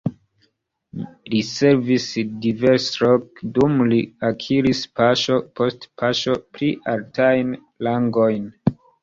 Li servis diversloke, dum li akiris paŝo post paŝo pli altajn rangojn.